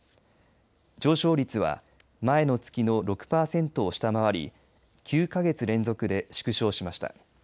上昇率は前の月の６パーセントを下回り９か月連続で縮小しました。